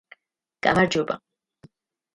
გამარჯობა